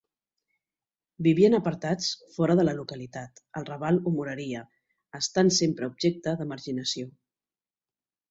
Vivien apartats fora de la localitat, al raval o moreria, estant sempre objecte de marginació.